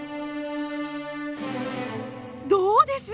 どうです？